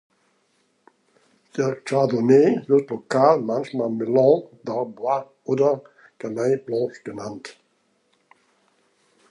Der Chardonnay wird lokal manchmal Melon d’Arbois oder Gamay Blanc genannt.